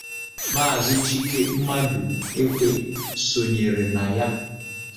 Maazị Chike Maduekwe sonyere na ya.